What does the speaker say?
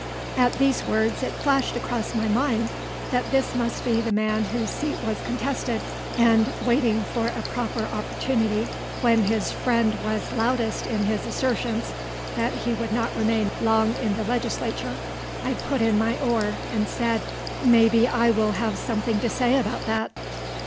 At these words, it flashed across my mind that this must be the man whose seat was contested, and, waiting for a proper opportunity, when his friend was loudest in his assertions that he would not remain long in the legislature, I put in my oar, and said: "Maybe I will have something to say about that."